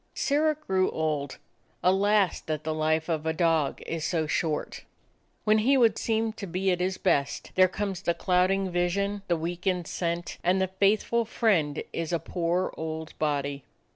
Sirrah grew old. Alas, that the life of a dog is so short! When he would seem to be at his best, there comes the clouding vision, the weakened scent, and the faithful friend is a poor old body.